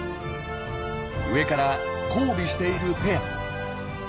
上から交尾しているペア。